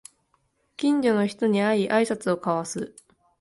近所の人に会いあいさつを交わす